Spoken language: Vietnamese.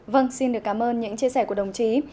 vâng xin được cảm ơn những chia sẻ của đồng chí